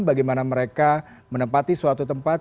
bagaimana mereka menempati suatu tempat